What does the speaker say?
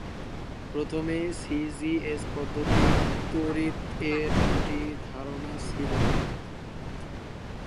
প্রথমে C G S পদ্ধতির তড়িৎ এর দুটি ধারণা ছিল।